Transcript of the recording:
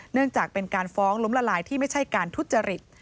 เนื่องจากเป็นการฟ้องล้มละลายที่ไม่ใช่การทุจริต